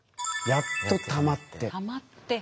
やっと貯まって。